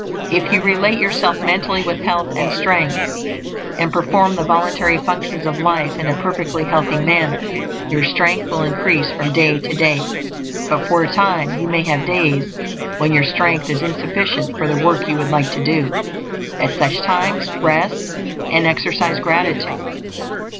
If you relate yourself mentally with health and strength, and perform the voluntary functions of life in a perfectly healthy manner, your strength will increase from day to day; but for a time you may have days when your strength is insufficient for the work you would like to do. At such times rest, and exercise gratitude.